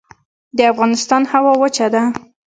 د افغانستان هوا وچه ده